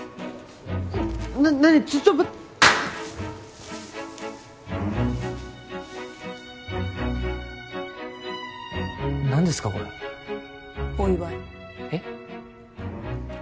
な何ちょっと何ですかこれお祝いえっ？